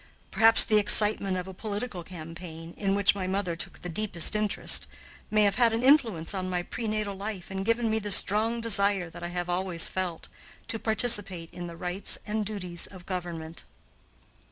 Perhaps the excitement of a political campaign, in which my mother took the deepest interest, may have had an influence on my prenatal life and given me the strong desire that I have always felt to participate in the rights and duties of government.